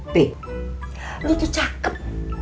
bi lu tuh cakep